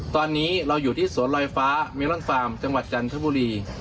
ตอนนี้เราอยู่ที่สวนลอยฟ้าเมลอนฟาร์มจังหวัดจันทบุรี